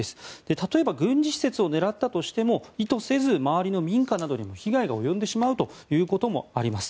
例えば軍事施設を狙ったとしても意図せず周りの民家などにも被害が及んでしまうということもあります。